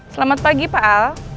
selamat pagi pak al